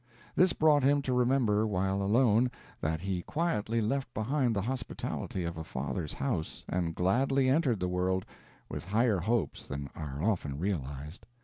This brought him to remember while alone, that he quietly left behind the hospitality of a father's house, and gladly entered the world, with higher hopes than are often realized.